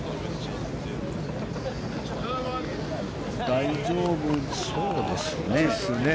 大丈夫そうですね。